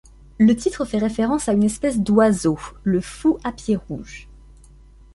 Le titre fait référence à une espèce d’oiseau, le fou à pieds rouges.